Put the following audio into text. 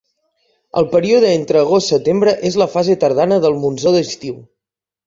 El període entre agost–setembre és la fase tardana del monsó d'estiu.